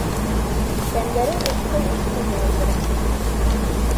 Тәндәрен ышҡый-ышҡый йыуындырып сыҡтым.